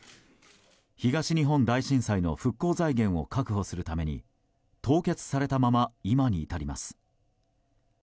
東日本大震災の復興財源を確保するために凍結されたまま、今に至ります。